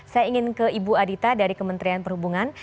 saya ingin ke ibu adita dari kementerian perhubungan